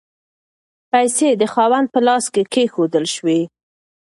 پیسې د خاوند په لاس کې کیښودل شوې.